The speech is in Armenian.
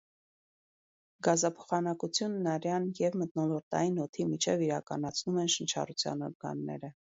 Գազափոխանակությունն արյան և մթնոլորտային օդի միջև իրականացնում են շնչառության օրգանները։